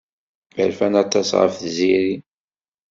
Rfan aṭas ɣef Tiziri.